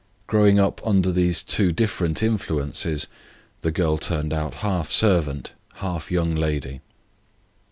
Growing up under these two different influences, the girl turned out half servant, half young lady.